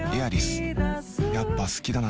やっぱ好きだな